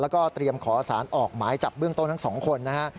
แล้วก็เตรียมขอสารออกหมายจับเบื้องต้นทั้งสองคนนะฮะ